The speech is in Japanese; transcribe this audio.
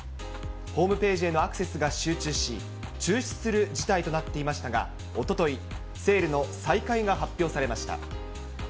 ホームページへのアクセスが集中し、中止する事態となっていましたが、おととい、セールの再開が発表されました。